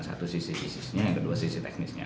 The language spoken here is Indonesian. satu sisi fisiknya kedua sisi teknisnya